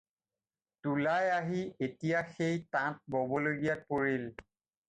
তুলাই আহি এতিয়া সেই তাঁত ববলগীয়াত পৰিল।